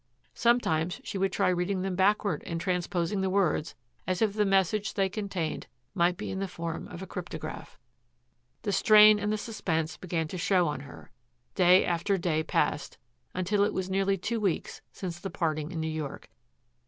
Sometimes she would try reading them backward and transposing the words, as if the message they contained might be in the form of a cryptograph. The strain and the suspense began to show on her. Day after day passed, until it was nearly two weeks since the parting in New York.